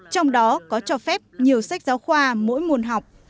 hoàn toàn phép nhiều sách giáo khoa mỗi nguồn học